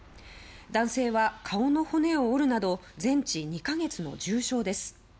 男性は顔の骨を折るなど全治２か月の重傷です。